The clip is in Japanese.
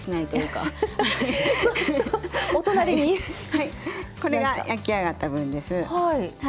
はいこれが焼き上がった分です。